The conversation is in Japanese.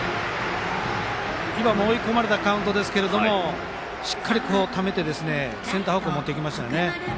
今も追い込まれたカウントですがしっかりためてセンター方向に持っていきました。